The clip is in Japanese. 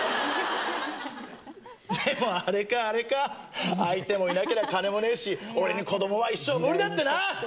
でも、あれか、あれか相手もいなけりゃ金もねえし俺に子供は一生無理だってな！